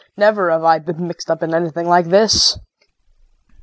Never have I been mixed up in anything like this!